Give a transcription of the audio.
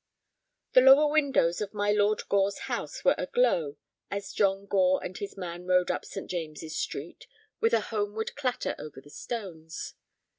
The lower windows of my Lord Gore's house were aglow as John Gore and his man rode up St. James's Street with a homeward clatter over the stones.